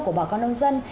của bà con nông dân